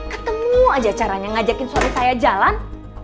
ketemu aja caranya ngajakin suami saya jalan